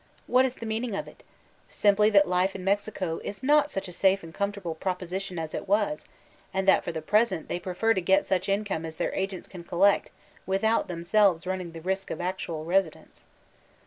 What is the meaning of it? Simply that life in Mexico is not sudi a safe and comfortable proposition as it was, and that for the present they prefer to get such income as their agents can collect wthout themselves running Ae risk of actual residence.